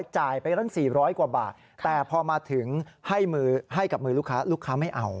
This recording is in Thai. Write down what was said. จ่ายไปตั้ง๔๐๐กว่าบาทแต่พอมาถึงให้กับมือลูกค้าลูกค้าไม่เอา